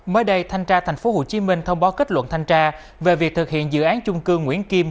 mới đây thanh tra thành phố hồ chí minh thông báo kết luận thanh tra về việc thực hiện dự án chung cương nguyễn kim